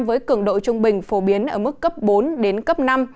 với cường độ trung bình phổ biến ở mức cấp bốn đến cấp năm